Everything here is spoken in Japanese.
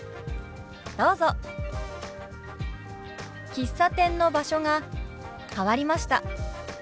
「喫茶店の場所が変わりました」。